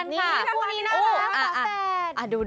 นี่ทุกคนอีน่ารัก๕๕๕แปด